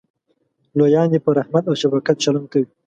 لویان دې په رحمت او شفقت چلند کوي.